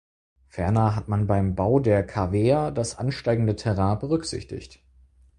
Ferner hat man beim Bau der Cavea das ansteigende Terrain berücksichtigt.